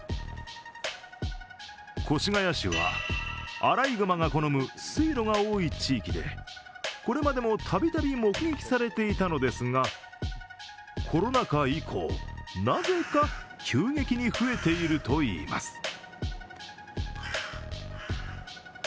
越谷市はアライグマが好む水路が多い地域でこれまでもたびたび目撃されていたのですが、コロナ禍以降、なぜか急激に増えているといいます。